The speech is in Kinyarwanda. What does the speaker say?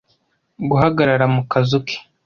guhagarara mu kazu ke